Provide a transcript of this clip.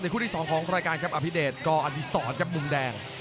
ในคู่ที่สองของอภิเดชก็อธิสรกับมุมแดง